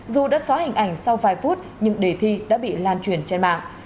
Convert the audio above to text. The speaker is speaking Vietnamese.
dù đã xóa hình ảnh sau vài phút nhưng đề thi đã bị lan truyền trên mạng